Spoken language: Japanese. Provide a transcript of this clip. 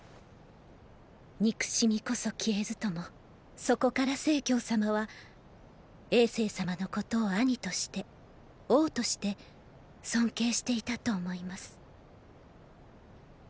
憎しみこそ消えずともそこから成様は政様のことを兄として王として尊敬していたと思います。